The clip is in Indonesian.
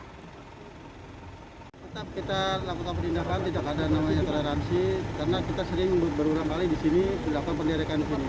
ketika kita lakukan perlindakan tidak ada namanya toleransi karena kita sering berurang kali di sini berlaku pendirikan di sini